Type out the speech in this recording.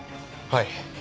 はい。